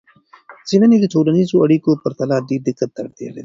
څیړنې د ټولنیزو اړیکو په پرتله ډیر دقت ته اړتیا لري.